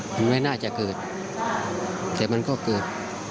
มันไม่น่าจะเกิดแต่มันก็เกิด